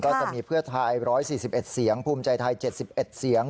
จะมีเพื่อไทย๑๔๑เสียงภูมิใจไทย๗๑เสียง